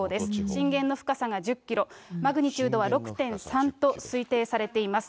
震源の深さが１０キロ、マグニチュードは６．３と推定されています。